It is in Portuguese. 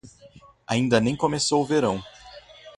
Ainda nem começou o verão.